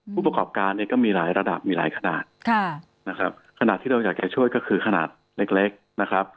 ผู้ประกอบการเนี่ยก็มีหลายระดับมีหลายขนาดนะครับขณะที่เราอยากจะช่วยก็คือขนาดเล็กนะครับ